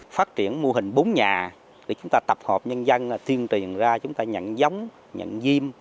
phát triển mô hình bốn nhà để chúng ta tập hợp nhân dân tiên truyền ra chúng ta nhận giống nhận diêm